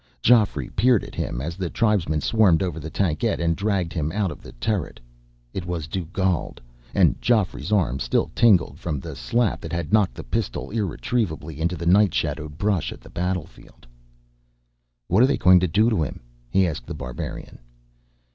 Geoffrey peered at him as the tribesmen swarmed over the tankette and dragged him out of the turret. It was Dugald, and Geoffrey's arm still tingled from the slap that had knocked the pistol irretrievably into the night shadowed brush at the battlefield. "What are they going to do to him?" he asked The Barbarian.